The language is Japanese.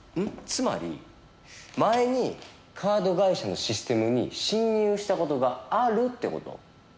つまり前にカード会社のシステムに侵入した事があるって事？